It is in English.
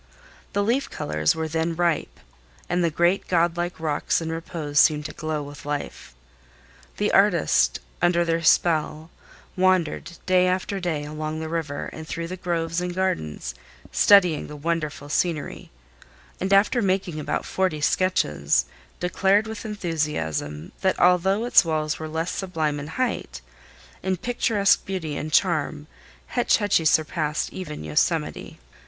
The leaf colors were then ripe, and the great godlike rocks in repose seemed to glow with life. The artist, under their spell, wandered day after day along the river and through the groves and gardens, studying the wonderful scenery; and, after making about forty sketches, declared with enthusiasm that although its walls were less sublime in height, in picturesque beauty and charm Hetch Hetchy surpassed even Yosemite.